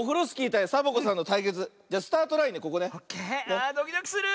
ああドキドキする！